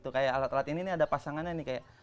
kayak alat alat ini ada pasangannya